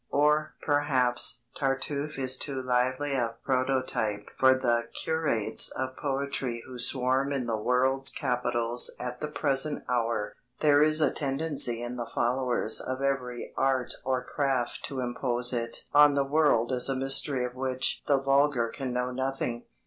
Or, perhaps, Tartuffe is too lively a prototype for the curates of poetry who swarm in the world's capitals at the present hour. There is a tendency in the followers of every art or craft to impose it on the world as a mystery of which the vulgar can know nothing.